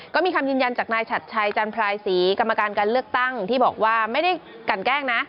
ก็มีคำยืนยันจากนายฉัดชัยจันทรายศรีกรรมการการเลือกตั้งที่บอกว่าไม่ได้กันแกล้งนะ